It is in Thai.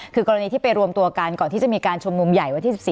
คือกรณีที่ไปรวมตัวกันก่อนที่จะมีการชุมนุมใหญ่วันที่๑๔